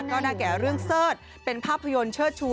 ก็ได้แก่เรื่องเสิร์ธเป็นภาพยนตร์เชิดชู